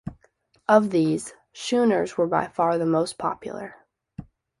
Of these, schooners were by far the most popular.